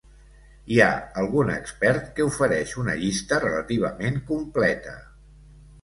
Hi ha algun expert que ofereix una llista relativament completa.